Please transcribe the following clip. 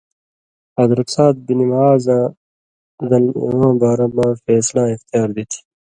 حضرت سعد بن معاذؓاں دَن اِواں بارہ مہ فېصلاں اختیار دِتیۡ